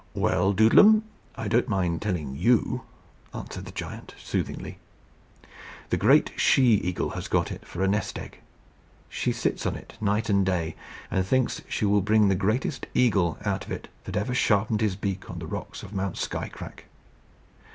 "Well, Doodlem, I don't mind telling you," answered the giant, soothingly. "The great she eagle has got it for a nest egg. She sits on it night and day, and thinks she will bring the greatest eagle out of it that ever sharpened his beak on the rocks of Mount Skycrack.